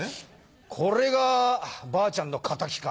これがばあちゃんの敵か。